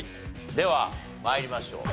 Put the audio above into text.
では参りましょう。